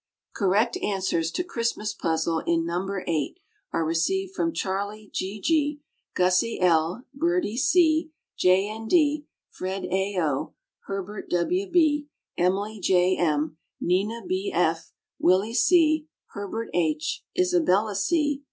Correct answers to Christmas Puzzle in No. 8 are received from Charlie G. G., Gussie L., Birdie C., J. N. D., Fred A. O., Herbert W. B., Emily J. M., Nina B. F., Willie C., Herbert H., Isabella C.